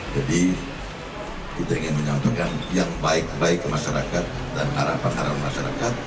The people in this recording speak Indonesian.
jadi kita ingin menyatukan yang baik baik ke masyarakat dan harapan harapan masyarakat